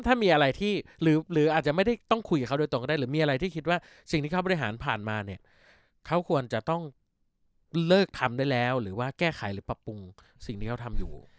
ถ้ามีอะไรที่หรืออาจจะไม่ได้ต้องคุยกับเขาโดยตรงก็ได้หรือมีอะไรที่คิดว่าสิ่งที่เขาบริหารผ่านมาเนี่ยเขาควรจะต้องเลิกทำได้แล้วหรือว่าแก้ไขหรือปรับปรุงสิ่งที่เขาทำอยู่